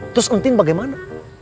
terus enting bagaimana